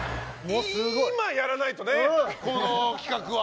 今やらないとねこの企画は。